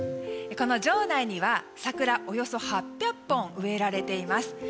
この城内には、桜およそ８００本植えられています。